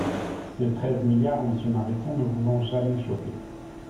Ces treize milliards, monsieur Mariton, ne vous ont jamais choqué.